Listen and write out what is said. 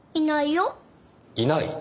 いないよ。